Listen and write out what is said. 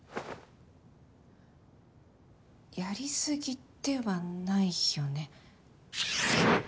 やりすぎではないよね。